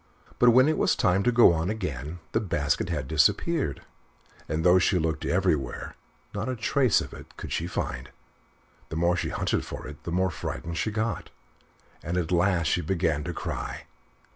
But when it was time to go on again the basket had disappeared and, though she looked everywhere, not a trace of it could she find. The more she hunted for it, the more frightened she got, and at last she began to cry.